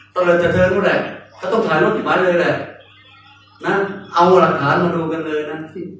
ตลอดเฉยเทิงก็ได้เขาต้องถ่ายรถอีกมาเลยแหละนะเอาหลักฐานมาดูกันเลยนะ